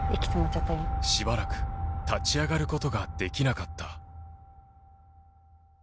しばらく立ち上がることができなかった。